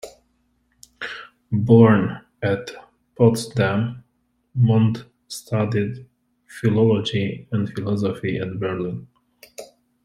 Born at Potsdam, Mundt studied philology and philosophy at Berlin.